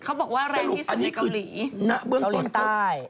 เขาบอกว่าแรงที่สุดในเกาหลีเกาหลีใต้